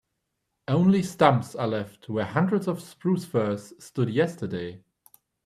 Only stumps are left where hundreds of spruce firs stood yesterday.